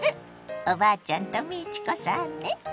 おばあちゃんと美智子さんね！